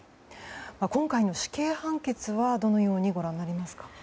今回の死刑判決はどのようにご覧になりますか？